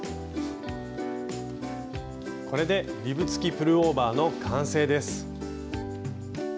これで「リブつきプルオーバー」の完成です！